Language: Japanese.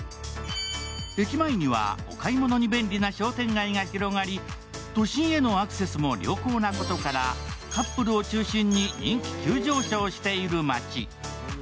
駅前にはお買い物に便利な商店街が広がり都心へのアクセスも良好なことから、カップルを中心に人気急上昇している街。